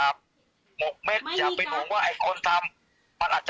แม่ยังคงมั่นใจและก็มีความหวังในการทำงานของเจ้าหน้าที่ตำรวจค่ะ